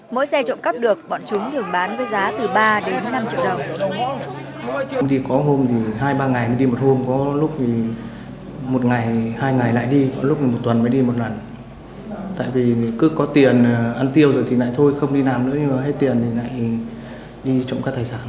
mỗi xe trộm cắp được bọn chúng thường bán với giá từ ba đến năm triệu đồng